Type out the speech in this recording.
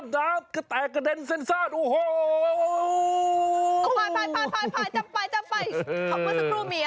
ได้ชื่อเรียก